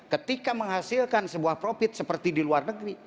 ketika menghasilkan sebuah profit seperti di luar negeri